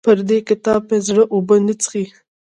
پر دې کتاب مې زړه اوبه نه څښي.